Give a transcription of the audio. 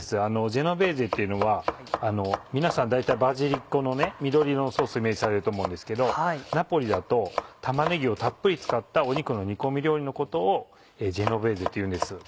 ジェノベーゼっていうのは皆さんだいたいバジリコの緑色のソースをイメージされると思うんですけどナポリだと玉ねぎをたっぷり使った肉の煮込み料理のことをジェノベーゼっていうんです。